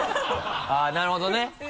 あっなるほどね。